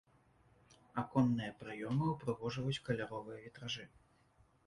Аконныя праёмы ўпрыгожваюць каляровыя вітражы.